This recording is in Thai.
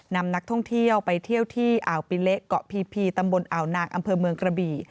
นำนักท่องเที่ยวไปเที่ยวที่อ่าวปิเละเกาะพีพีตำบลอ่าวนางอำเภอเมืองกระบี่